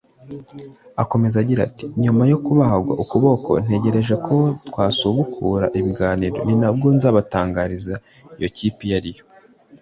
Akomeza agira ati “Nyuma yo kubagwa ukuboko ntegereje ko twasubukura ibiganiro ninabwo nzabatangariza iyo kipe iyo ariyo